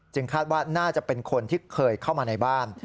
คาดว่าน่าจะเป็นคนที่เคยเข้ามาในบ้าน